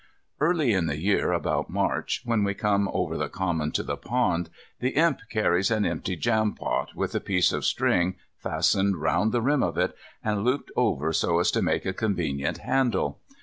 Early in the year, about March, when we come over the common to the pond, the Imp carries an empty jampot, with a piece of string fastened round the rim of it, and looped over so as to make a convenient handle.